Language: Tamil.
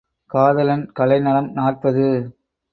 காதலன் கலைநலம் நாற்பது.